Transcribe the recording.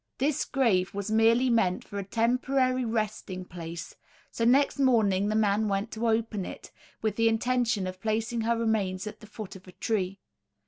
This grave was merely meant for a temporary resting place; so next morning the man went to open it, with the intention of placing her remains at the foot of a tree.